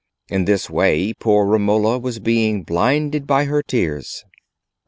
In this way poor Romola was being blinded by her tears.